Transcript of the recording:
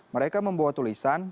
mereka membawa tulisan